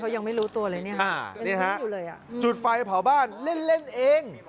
ยังไม่รู้ตัวเลยเนี่ยจุดไฟเผาบ้านเล่นเอง